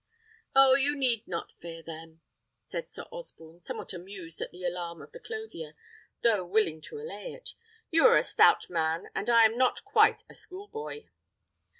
"Oh! you need not fear them," said Sir Osborne, somewhat amused at the alarm of the clothier, though willing to allay it. "You are a stout man, and I am not quite a schoolboy."